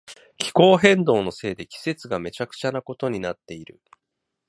気候変動のせいで季節がめちゃくちゃなことになっている。